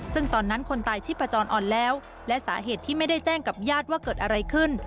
ซึ่งตอนนั้นคนตายชีพจรอ่อนแล้วและสาเหตุที่ไม่ได้แจ้งกับญาติว่าเกิดอะไรขึ้น